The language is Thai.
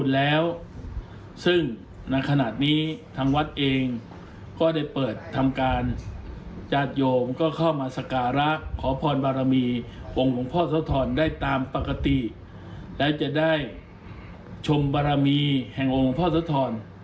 แล้วจะได้ชมบารมีแห่งองค์หลวงพ่อสวทร